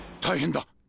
大変だ！